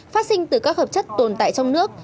phát sinh từ các hợp chất tồn tại trong nước